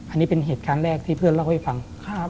อันนี้เป็นเหตุการณ์แรกที่เพื่อนเล่าให้ฟัง